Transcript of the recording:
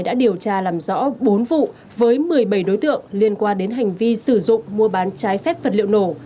đã điều tra làm rõ bốn vụ với một mươi bảy đối tượng liên quan đến hành vi sử dụng mua bán trái phép vật liệu nổ